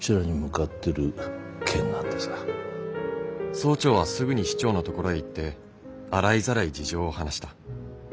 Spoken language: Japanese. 総長はすぐに市長のところへ行って洗いざらい事情を話した。